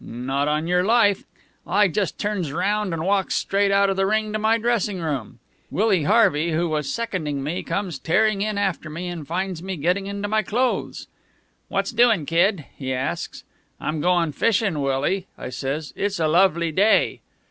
Not on your life. I just turns round and walks straight out of the ring to my dressing room. Willie Harvey, who was seconding me, comes tearing in after me, and finds me getting into my clothes. 'What's doing, Kid?' he asks. 'I'm going fishin', Willie,' I says. 'It's a lovely day.'